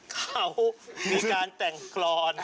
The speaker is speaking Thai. เขามีการแต่งกรอน